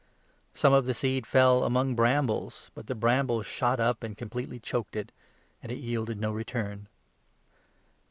Some of the seed fell among brambles ; 7 but the brambles shot up and completely choked it, and it yielded no return.